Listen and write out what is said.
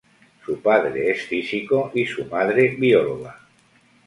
Su padre es físico y su madre bióloga.